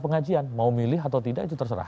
pengajian mau milih atau tidak itu terserah